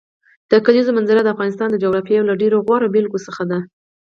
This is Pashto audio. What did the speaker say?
د کلیزو منظره د افغانستان د جغرافیې یو له ډېرو غوره بېلګو څخه ده.